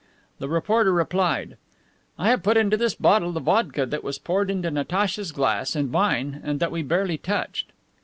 The reporter replied, "I have put into this bottle the vodka that was poured into Natacha's glass and mine and that we barely touched."